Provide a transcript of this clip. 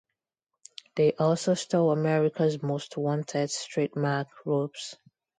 They also stole America's Most Wanted's trademark robes.